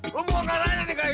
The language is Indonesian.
buat karang aja nih kayu